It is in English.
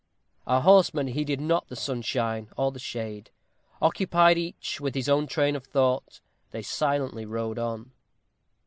Our horsemen heeded not the sunshine or the shade. Occupied each with his own train of thought, they silently rode on.